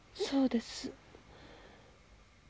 そうです。